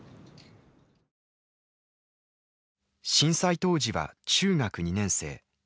震災当時は中学２年生。